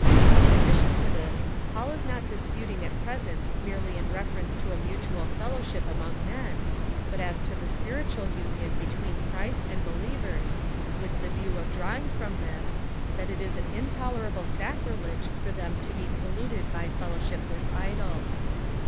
In addition to this, Paul is not disputing at present merely in reference to a mutual fellowship among men, but as to the spiritual union between Christ and be lievers, with the view of drawing from this, that it is an in tolerable sacrilege for them to be polluted by fellowship with idols.